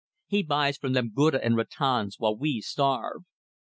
He buys from them guttah and rattans while we starve.